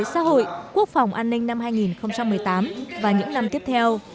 xã hội quốc phòng an ninh năm hai nghìn một mươi tám và những năm tiếp theo